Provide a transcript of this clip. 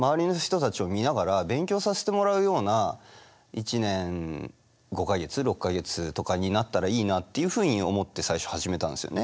１年５か月６か月とかになったらいいなっていうふうに思って最初始めたんですよね。